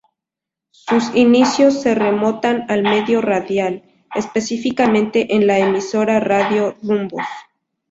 Sus inicios se remontan al medio radial, específicamente en la emisora Radio Rumbos.